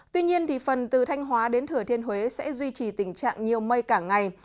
tuy nhiên phần từ thanh hóa đến thừa thiên huế sẽ duy trì tình trạng nhiều mây cả ngày